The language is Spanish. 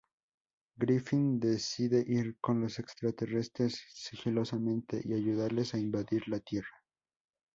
Griffin decide ir con los extraterrestres sigilosamente y ayudarles a invadir la Tierra.